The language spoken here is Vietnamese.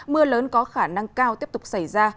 mưa lớn có khả năng cao tiếp tục xảy ra